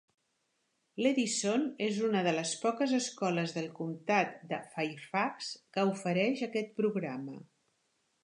L'Edison és una de les poques escoles del comtat de Fairfax que ofereix aquest programa.